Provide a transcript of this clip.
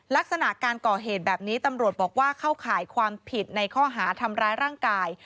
ลักษณะการก่อเหตุแบบนี้ตำรวจบอกว่าเข้าข่ายความผิดในข้อหาทำร้ายร่างกาย